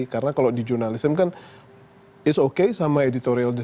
karena kalau di journalism kan it's okay sama editorialnya